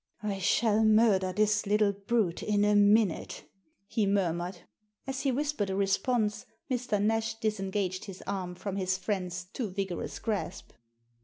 * I shall murder this little brute in a minute," he murmured. As he whispered a response Mr. Nash disengaged his arm from his friend's too vigorous grasp.